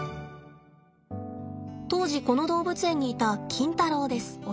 当時この動物園にいたキンタロウです。